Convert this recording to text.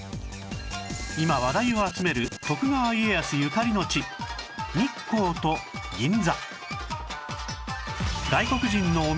今話題を集める徳川家康ゆかりの地日光と銀座